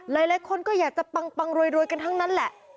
หลายคนก็อยากจะปังรวยกันทั้งนั้นแหละ